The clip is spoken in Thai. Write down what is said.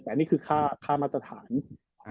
แต่นี่คือค่าค่ามาตรฐานอ่า